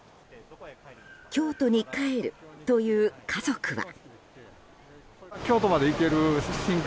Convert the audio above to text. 京都に帰るという家族は。